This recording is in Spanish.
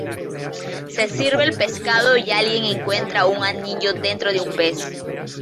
Se sirve el pescado y alguien encuentra un anillo dentro de un pez.